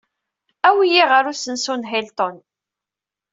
Awi-iyi ɣer usensu n Hilton.